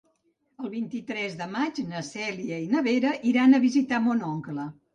El vint-i-tres de maig na Cèlia i na Vera iran a visitar mon oncle.